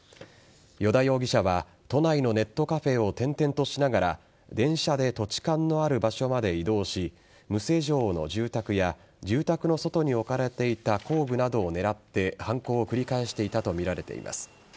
依田容疑者は都内のネットカフェを転々としながら電車で土地勘のある場所まで移動し無施錠の住宅や住宅の外に置かれていた工具などを狙って犯行を繰り返していたとみられています。